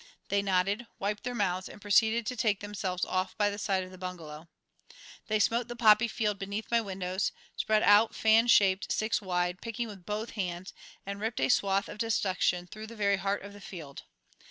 They nodded, wiped their mouths, and proceeded to take themselves off by the side of the bungalow. They smote the poppy field beneath my windows, spread out fan shaped six wide, picking with both hands, and ripped a swath of destruction through the very heart of the field.